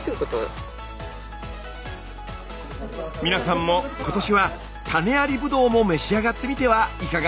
皆さんも今年は種ありブドウも召し上がってみてはいかが？